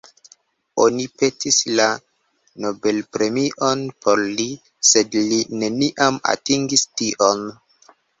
Oni petis la Nobelpremion por li, sed li neniam atingis tion.